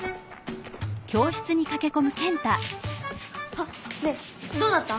あっねえどうだった？